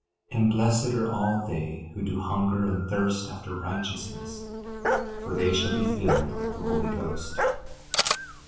12:6 And blessed are all they who do hunger and thirst after righteousness, for they shall be filled with the Holy Ghost.